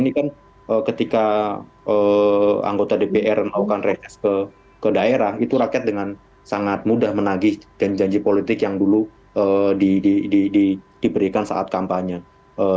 ini kan ketika anggota dpr melakukan reses ke daerah itu rakyat dengan sangat mudah menagih janji politik yang dulu diberikan saat kampanye